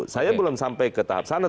saya belum sampai ke tahap sana